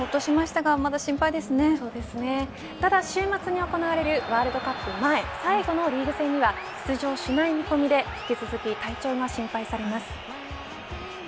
ただ週末に行われるワールドカップ前最後のリーグ戦には出場しない見込みで引き続き体調が心配されます。